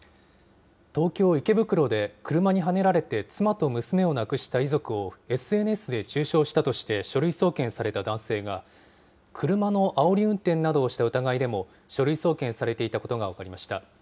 東京・池袋で車にはねられて妻と娘を亡くした遺族をＳＮＳで中傷したとして書類送検された男性が、車のあおり運転などをした疑いでも、書類送検されていたことが分かりました。